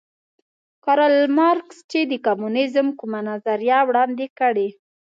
کارل مارکس چې د کمونیزم کومه نظریه وړاندې کړې